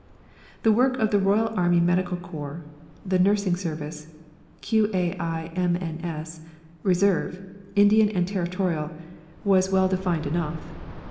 The work of the Royal Army Medical Corps, the Nursing Service, "Q.A.I.M.N.S.," Reserve, Indian and Territorial, was well defined enough.